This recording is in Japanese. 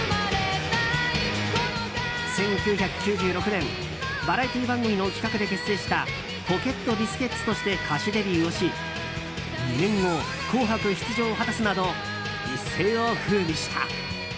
１９９６年バラエティー番組の企画で結成したポケットビスケッツとして歌手デビューをし２年後、「紅白」出場を果たすなど一世を風靡した。